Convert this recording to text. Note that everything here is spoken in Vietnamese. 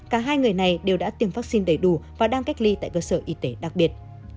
cả hai người này đều đã tiêm vaccine đầy đủ và đang cách ly tại cơ sở y tế đặc biệt